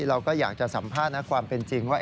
เราก็อยากจะสัมภาษณ์นะความเป็นจริงว่า